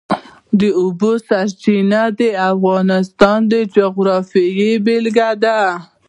د اوبو سرچینې د افغانستان د جغرافیې بېلګه ده.